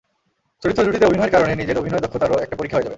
চরিত্র দুটিতে অভিনয়ের কারণে নিজের অভিনয় দক্ষতারও একটা পরীক্ষা হয়ে যাবে।